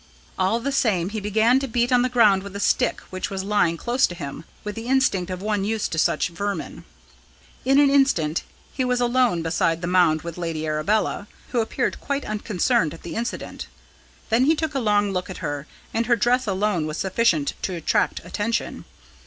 All the same he began to beat on the ground with a stick which was lying close to him, with the instinct of one used to such vermin. In an instant he was alone beside the mound with Lady Arabella, who appeared quite unconcerned at the incident. Then he took a long look at her, and her dress alone was sufficient to attract attention.